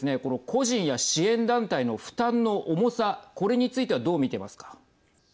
個人や支援団体の負担の重さこれについてはどう見てますか。